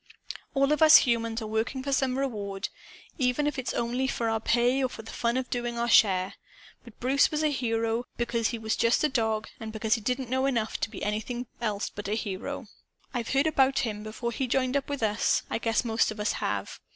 "All of us humans are working for some reward, even if it's only for our pay or for the fun of doing our share. But Bruce was a hero because he was just a dog, and because he didn't know enough to be anything else but a hero. "I've heard about him, before he joined up with us. I guess most of us have.